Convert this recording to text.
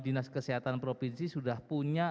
dinas kesehatan provinsi sudah punya